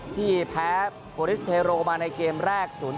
ที่แพ้โพลิสเทโรมาในเกมแรก๐๘